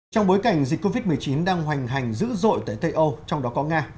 trong bối cảnh dịch covid một mươi chín đang hoành hành dữ dội tại tây âu trong đó có nga